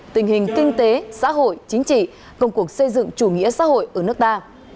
tình hình kinh tế xã hội chính trị công cuộc xây dựng chủ nghĩa xã hội ở nước ta